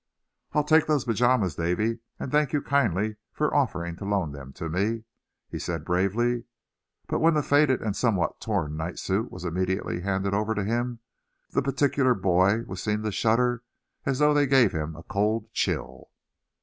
"I'll take those pajamas, Davy; and thank you kindly for offering to loan them to me;" he said, bravely; but when the faded and somewhat torn night suit was immediately handed over to him, the particular boy was seen to shudder, as though they gave him a cold chill.